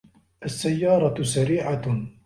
السَّيَّارَةُ سَرِيعَةٌ.